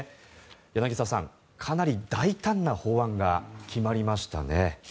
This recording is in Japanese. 柳澤さん、かなり大胆な法案が決まりましたね。